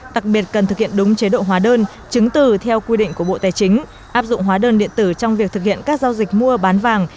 đặc biệt cần thực hiện đúng chế độ hóa đơn chứng từ theo quy định của bộ tài chính áp dụng hóa đơn điện tử trong việc thực hiện các giao dịch mua bán vàng